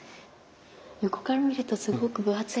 横から見るとすごく分厚いですね。